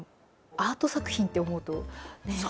アート作品って思うとねえ？